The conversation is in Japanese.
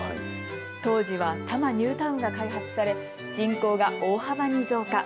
当時は多摩ニュータウンが開発され人口が大幅に増加。